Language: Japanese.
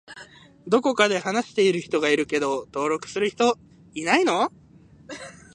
どこかで話している人がいるけど登録する人いないの？